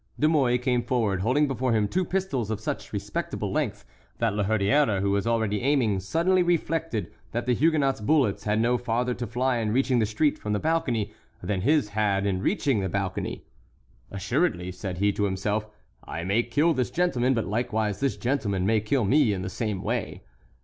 De Mouy came forward holding before him two pistols of such respectable length that La Hurière, who was already aiming, suddenly reflected that the Huguenot's bullets had no farther to fly in reaching the street from the balcony than his had in reaching the balcony. "Assuredly," said he to himself, "I may kill this gentleman, but likewise this gentleman may kill me in the same way."